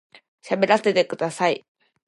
喋らせてください